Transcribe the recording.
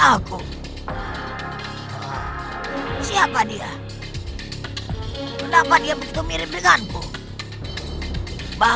aku kehilangan jejaknya